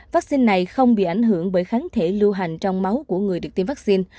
vaccine này không bị ảnh hưởng bởi kháng thể lưu hành trong máu của người được tiêm vaccine